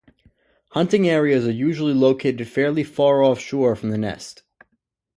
Hunting areas are usually located fairly far offshore from the nest.